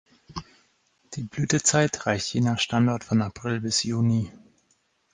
Die Blütezeit reicht je nach Standort von April bis Juni.